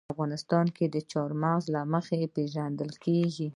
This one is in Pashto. افغانستان د چار مغز له مخې پېژندل کېږي.